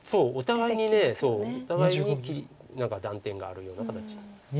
そうお互いに何か断点があるような形。